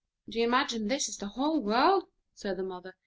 "Do you imagine this to be the whole of the world?" said the mother.